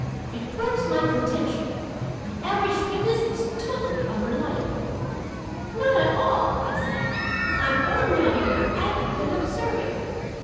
It proves my contention: the average witness is totally unreliable." "Not at all," I snapped, "I am ordinarily both accurate and observing."